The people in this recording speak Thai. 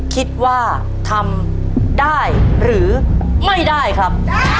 คิดว่าทำได้หรือไม่ได้ครับ